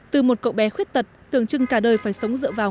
từ một cậu bé khuyết tật tưởng chừng cả đời phải sống dựa vào